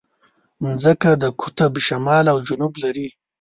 مځکه د قطب شمال او جنوب لري.